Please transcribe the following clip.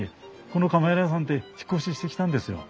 このカメラ屋さんって引っ越ししてきたんですよ。